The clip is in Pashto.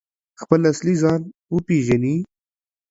خپل اصلي ځان وپیژني؟